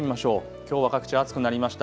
きょうは各地暑くなりました。